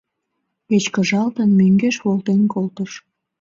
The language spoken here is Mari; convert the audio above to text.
Кечкыжалтын, мӧҥгеш волтен колтыш.